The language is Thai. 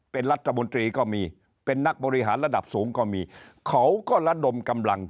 เป็นรัฐมนตรีก็มีเป็นนักบริหารระดับสูงก็มีเขาก็ระดมกำลัง